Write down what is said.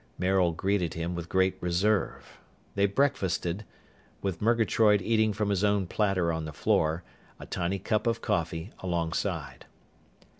Maril greeted him with great reserve. They breakfasted, with Murgatroyd eating from his own platter on the floor, a tiny cup of coffee alongside.